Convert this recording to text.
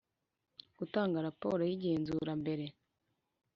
gutanga raporo y igenzura mbere